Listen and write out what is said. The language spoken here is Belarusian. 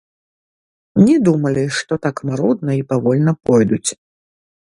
Не думалі, што так марудна і павольна пойдуць.